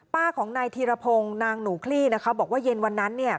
ป้าของนายธีรพงษ์นางหนูคลี่บอกว่าเย็นวันนั้น